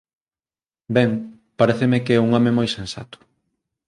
Ben, paréceme que é un home moi sensato.